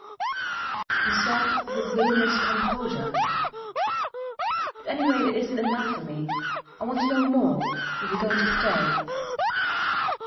He said with villainous composure: At any rate it isnt enough for me. I want to know more if youre going to stay.